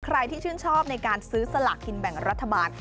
ใครที่ชื่นชอบในการซื้อสลากกินแบ่งรัฐบาล